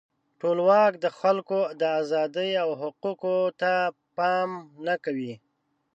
ټولواک د خلکو د آزادۍ او حقوقو ته پام نه کوي.